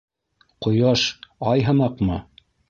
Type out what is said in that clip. — Ҡояш, Ай һымаҡмы?